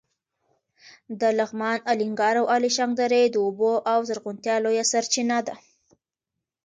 د لغمان د الینګار او الیشنګ درې د اوبو او زرغونتیا لویه سرچینه ده.